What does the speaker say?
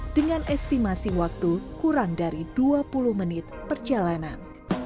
dengan estimasi waktu kurang dari dua puluh menit perjalanan